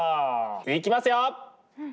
いきますよっ！